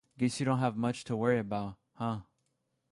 Guess you don’t have much to worry about, huh?